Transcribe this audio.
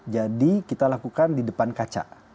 jadi kita lakukan di depan kaca